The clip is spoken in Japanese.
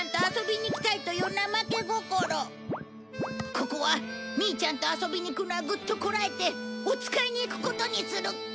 ここはミイちゃんと遊びに行くのはグッとこらえてお使いに行くことにする！